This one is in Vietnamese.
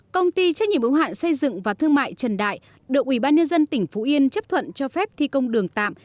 công ty trách nhiệm ứng hạn xây dựng và thương mại trần đại được ubnd tỉnh phú yên chấp thuận cho phép thi công đường tạm